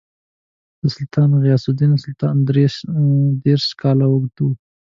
د سلطان غیاث الدین سلطنت درې دېرش کاله اوږد و.